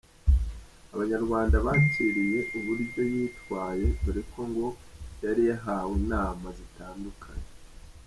Abanyarwanda bakiriye uburyo yitwaye dore ko ngo yari yahawe inama zitandukanye.